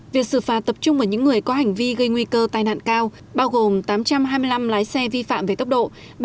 việc xử phạt tập trung vào những người có hành vi gây nguy cơ tai nạn cao bao gồm tám trăm hai mươi năm lái xe vi phạm về tốc độ